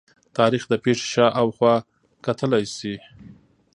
تاریخ د پېښې شا او خوا کتلي شي.